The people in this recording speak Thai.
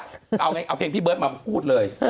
ถ้าไม่รักเอาเพลงพี่เบิร์ดมาพูดเลย